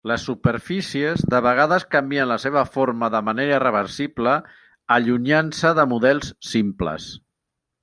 Les superfícies de vegades canvien la seva forma de manera irreversible allunyant-se de models simples.